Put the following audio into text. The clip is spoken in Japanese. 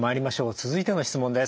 続いての質問です。